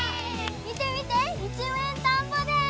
見て見ていちめんたんぼです！